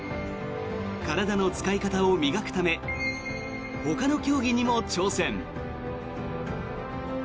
体の使い方を磨くためほかの競技にも挑戦。